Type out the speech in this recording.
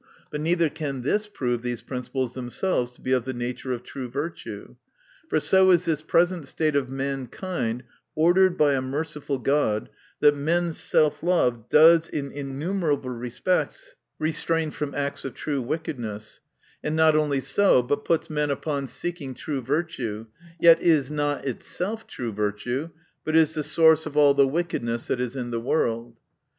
But neither can this prove these principles themselves to be of the na ture of true viitue. For so is this present state of mankind ordered by a mer ciful God, that men's self love does in innumerable respects restrain from acts of true wickedness ; and not only so, but puts men upon seeking true virtue ; yet is not itself true virtue, but is the source of all the wickedness that is in the world.